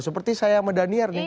seperti saya sama daniar nih